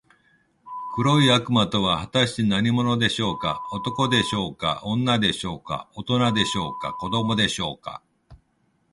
黒い魔物とは、はたして何者でしょうか。男でしょうか、女でしょうか、おとなでしょうか、子どもでしょうか。